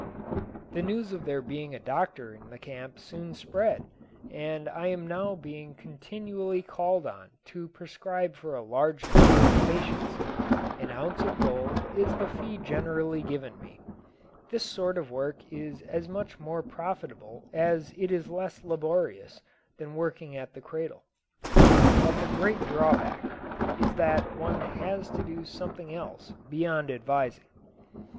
The news of there being a doctor in the camp soon spread, and I am now being continually called on to prescribe for a large number of patients. An ounce of gold is the fee generally given me. This sort of work is as much more profitable as it is less laborious than working at the cradle. But the great drawback is that one has to do something else beyond advising.